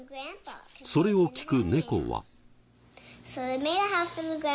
それを聞く猫は。